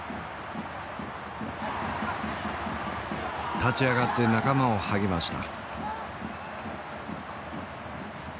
立ち上がって仲間を励ました。